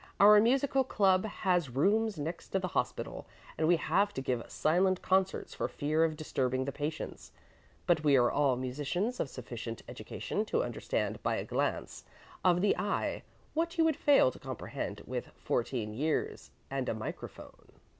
Our musical club has rooms next to a hospital, and we have to give silent concerts for fear of disturbing the patients; but we are all musicians of sufficient education to understand by a glance of the eye what you would fail to comprehend with fourteen ears and a microphone."